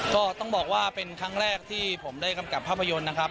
ก็ต้องบอกว่าเป็นครั้งแรกที่ผมได้กำกับภาพยนตร์นะครับ